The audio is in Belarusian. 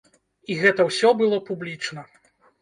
І гэта ўсё было публічна.